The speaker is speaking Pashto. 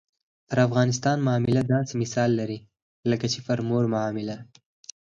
په افغانستان معامله داسې مثال لري لکه چې پر مور معامله.